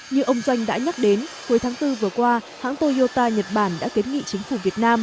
như ông doanh đã nhắc đến cuối tháng bốn vừa qua hãng toyota nhật bản đã kiến nghị chính phủ việt nam